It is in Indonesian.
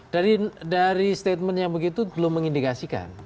dari statement yang begitu belum mengindikasikan